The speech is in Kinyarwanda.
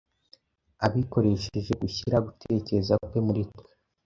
abikoresheje gushyira gutekereza kwe muri twe.